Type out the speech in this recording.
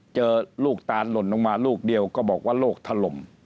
เจอลูกตานหล่นลงมาลูกเดียวก็บอกว่าโรคถล่ม